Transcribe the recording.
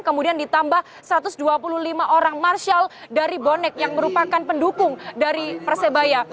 kemudian ditambah satu ratus dua puluh lima orang marshal dari bonek yang merupakan pendukung dari persebaya